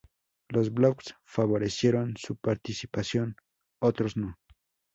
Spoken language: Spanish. Los blogs favorecieron su participación, otros no.